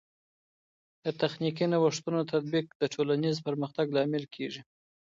د تخنیکي نوښتونو تطبیق د ټولنیز پرمختګ لامل کیږي.